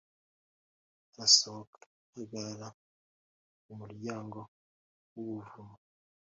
arasohoka ahagarara mu muryango w’ubuvumo